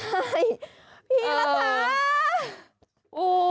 พี่รัฐา